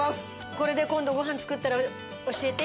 これで今度ご飯作ったら教えて。